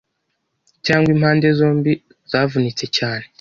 cyangwa impande zombi zavunitse cyane